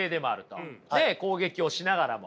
ねえ攻撃をしながらも。